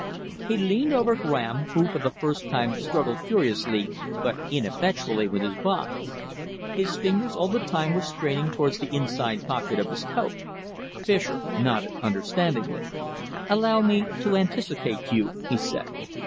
He leaned over Graham, who for the first time struggled furiously but ineffectually with his bonds. His fingers all the time were straining towards the inside pocket of his coat. Fischer nodded understandingly. "Allow me to anticipate you," he said.